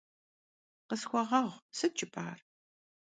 Khısxueğueğu, sıt jjıp'ar?